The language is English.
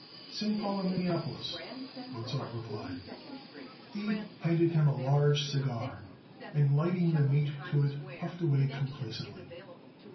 "St. Paul and Minneapolis," Mozart replied. Abe handed him a large cigar and, lighting the mate to it, puffed away complacently.